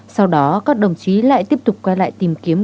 sau đó các đồng chí lại tiếp tục quay lại tìm kiếm